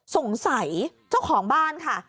สงสัยเจ้าของบ้านค่ะ